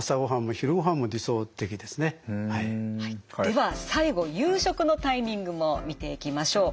では最後夕食のタイミングも見ていきましょう。